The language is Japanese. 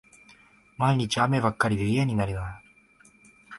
毎日、雨ばかりで嫌になるな